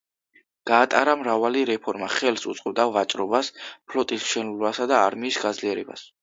გაატარა მრავალი რეფორმა, ხელს უწყობდა ვაჭრობას, ფლოტის მშენებლობასა და არმიის გაძლიერებას.